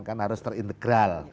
kan harus terintegral